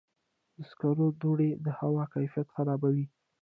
د سکرو دوړې د هوا کیفیت خرابوي.